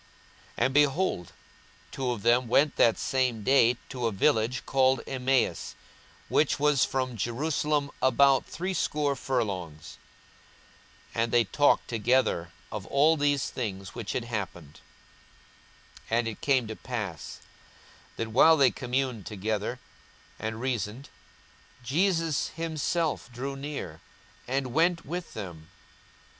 42:024:013 And, behold, two of them went that same day to a village called Emmaus, which was from Jerusalem about threescore furlongs. 42:024:014 And they talked together of all these things which had happened. 42:024:015 And it came to pass, that, while they communed together and reasoned, Jesus himself drew near, and went with them.